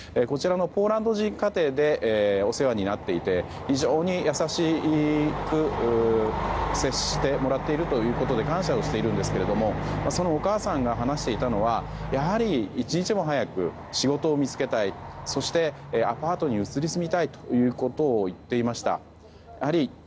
こちらのポーランド人家庭でお世話になっていて非常に優しく接してもらっているということで感謝をしているんですけどそのお母さんが話していたのはやはり一日も早く仕事を見つけたいそしてアパートに移り住みたいと言っていました。